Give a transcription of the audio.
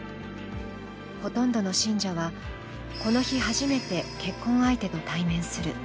ほとんどの信者はこの日、初めて結婚相手と対面する。